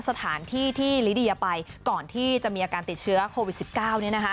สถานที่ที่ลิเดียไปก่อนที่จะมีอาการติดเชื้อโควิด๑๙